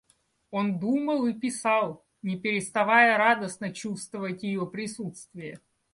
Он думал и писал, не переставая радостно чувствовать ее присутствие.